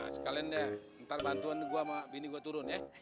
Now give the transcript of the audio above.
sekalian ya ntar bantuan gue sama bini gue turun ya